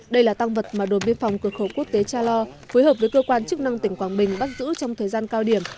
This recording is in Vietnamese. đây là tăng vật mà đồn biên phòng cửa khẩu quốc tế cha lo phối hợp với cơ quan chức năng tỉnh quảng bình bắt giữ trong thời gian cao điểm